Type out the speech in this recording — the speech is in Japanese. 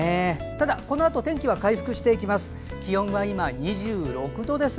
ただ、このあと天気は回復していきます。